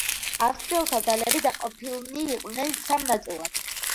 ავსტრიელთა ძალები დაყოფილნი იყვნენ სამ ნაწილად.